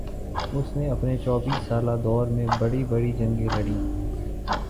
اس نے اپنے چوبیس سالہ دور میں بڑی بڑی جنگیں لڑیں